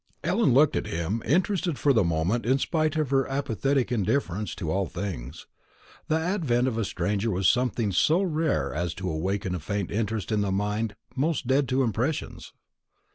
Ellen looked at him, interested for the moment in spite of her apathetic indifference to all things. The advent of a stranger was something so rare as to awaken a faint interest in the mind most dead to impressions.